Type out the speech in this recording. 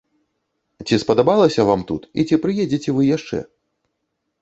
Ці спадабалася вам тут, і ці прыедзеце вы яшчэ?